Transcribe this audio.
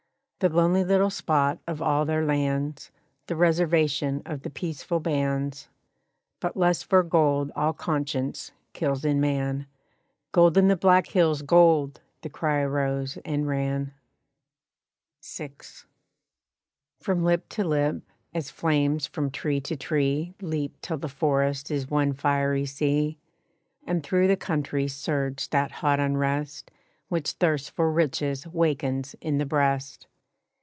The lonely little spot of all their lands, The reservation of the peaceful bands. But lust for gold all conscience kills in man, "Gold in the Black Hills, gold!" the cry arose and ran VI. From lip to lip, as flames from tree to tree Leap till the forest is one fiery sea, And through the country surged that hot unrest Which thirst for riches wakens in the breast.